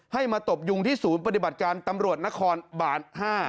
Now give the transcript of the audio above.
ให้มาตบยุงที่ศูนย์ปฏิบัติการตำรวจนครบาน๕